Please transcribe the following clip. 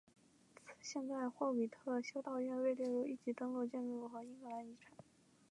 现在惠特比修道院被列入一级登录建筑和英格兰遗产。